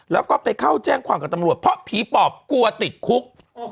แล้วก็ไปเข้าแจ้งความกับตำรวจเพราะผีปอบกลัวติดคุก